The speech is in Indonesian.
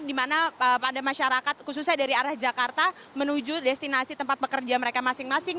di mana pada masyarakat khususnya dari arah jakarta menuju destinasi tempat pekerja mereka masing masing